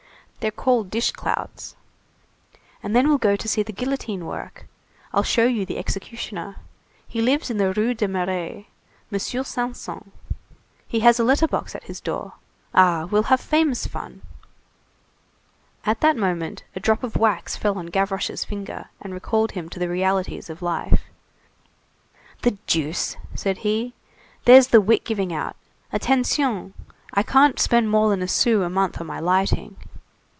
They're called dishclouts. And then we'll go to see the guillotine work. I'll show you the executioner. He lives in the Rue des Marais. Monsieur Sanson. He has a letter box at his door. Ah! we'll have famous fun!" At that moment a drop of wax fell on Gavroche's finger, and recalled him to the realities of life. "The deuce!" said he, "there's the wick giving out. Attention! I can't spend more than a sou a month on my lighting.